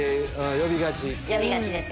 呼びがちです。